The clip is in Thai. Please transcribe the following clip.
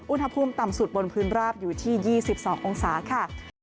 อุณหภูมิต่ำสุดบนพื้นราบอยู่ที่๒๒องศาค่ะ